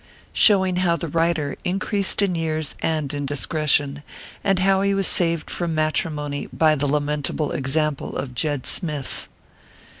SHOWING HOW THE WRITER INCREASED IN YEARS AND INDISCRETION, AND HOW HE WAS SAVED FROM MATRIMONY BY THE LAMENTABLE EXAMPLE OF JED SMITH.